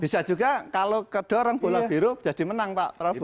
bisa juga kalau kedorong bola biru jadi menang pak prabowo